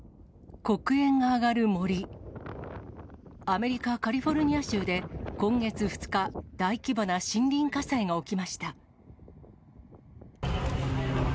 アメリカ・カリフォルニア州で今月２日、大規模な森林火災が起きました。